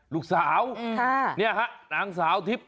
ลูกสาวเนี่ยแหละนางสาวทิศ